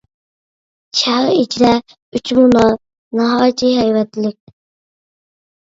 شەھەر ئىچىدە ئۈچ مۇنار ناھايىتى ھەيۋەتلىك.